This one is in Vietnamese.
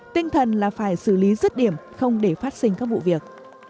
tinh thần là phải xử lý rứt điểm không để phát sinh các vụ việc